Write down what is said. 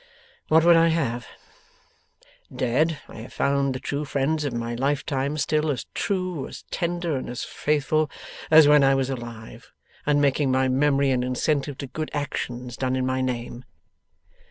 'What would I have? Dead, I have found the true friends of my lifetime still as true as tender and as faithful as when I was alive, and making my memory an incentive to good actions done in my name.